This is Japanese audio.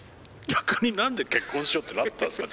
逆に何で結婚しようってなったんですか？